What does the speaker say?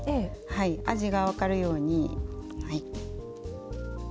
はい味が分かるようにはい。